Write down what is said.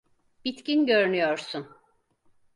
Bitkin görünüyorsun.